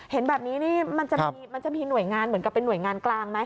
เห็นแบบนี้นี่มันจะมีหน่วยงานเหมือนกับเป็นหน่วยงานกลางไหม